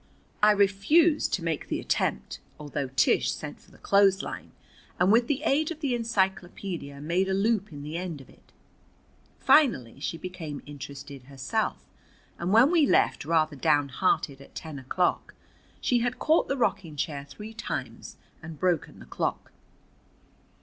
I refused to make the attempt, although Tish sent for the clothesline, and with the aid of the encyclopædia made a loop in the end of it. Finally she became interested herself, and when we left rather downhearted at ten o'clock she had caught the rocking chair three times and broken the clock.